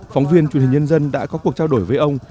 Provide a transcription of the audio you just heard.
phóng viên chủ tịch nhân dân đã có cuộc trao đổi với ông